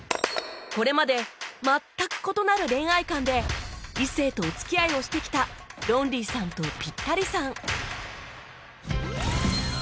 これまで全く異なる恋愛観で異性とお付き合いをしてきたロンリーさんとピッタリさん